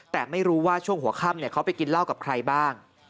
แต่ไม่รู้ว่าช่วงหัวค่ำเขาไปกินเหล้ากับใครบ้าง